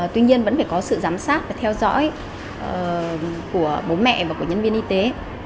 tuy nhiên vẫn phải có sự giám sát và theo dõi của bố mẹ và của nhân viên y tế